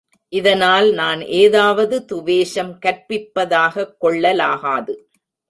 இதனால் நான் ஏதாவது துவேஷம் கற்பிப்பதாகக் கொள்ளலாகாது.